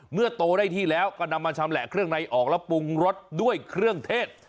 เมื่อโตได้ที่แล้วก็นำมาชำแหละเครื่องในออกแล้วปรุงรสด้วยเครื่องเทศ